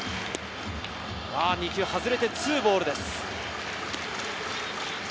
２球外れて２ボールです。